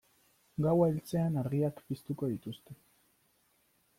Gaua heltzean argiak piztuko dituzte.